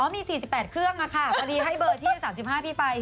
อ๋อมี๔๘เครื่องอะค่ะตอนนี้ให้เบอร์ที่๓๕พี่ไป